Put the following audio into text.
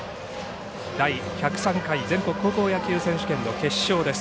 第１０３回全国高校野球選手権の決勝です。